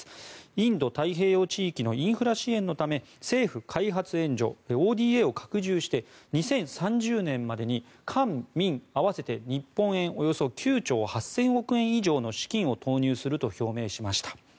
インド太平洋地域のインフラ支援のため政府開発援助・ＯＤＡを拡充して２０３０年までに官民合わせて日本円９兆８０００億円以上の資金を投入すると表明しました。